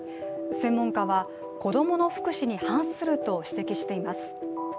専門家は子供の福祉に反すると指摘しています